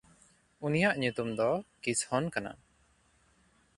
ᱩᱱᱤᱭᱟᱜ ᱧᱩᱛᱩᱢ ᱫᱚ ᱠᱤᱥᱦᱚᱱ ᱠᱟᱱᱟ᱾